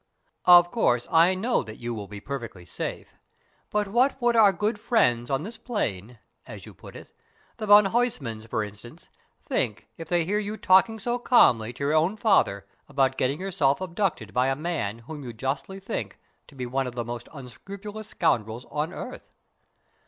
Of course, I know that you will be perfectly safe: but what would our good friends on this plane, as you put it, the Van Huysmans, for instance, think if they could hear you talking so calmly to your own father about getting yourself abducted by a man whom you justly think to be one of the most unscrupulous scoundrels on earth!